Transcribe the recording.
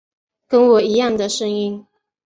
跟我一样的声音